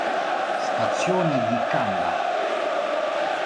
Stazione di Kanda